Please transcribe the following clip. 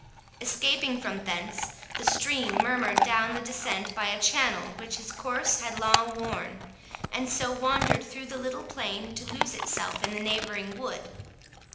Escaping from thence, the stream murmured down the descent by a channel which its course had long worn, and so wandered through the little plain to lose itself in the neighbouring wood.